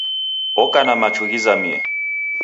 Oka na machu ghizamie.